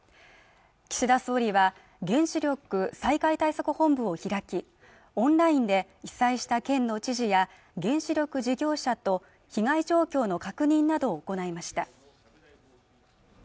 岸田総理は原子力災害対策本部を開きオンラインで被災した県の知事や原子力事業者と被害状況の確認などを行いました